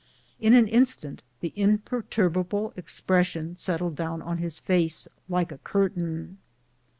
In an instant the imper turbable expression settled down on his face like a cur tain.